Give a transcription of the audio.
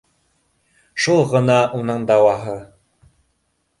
Шул ғына уның дауаһы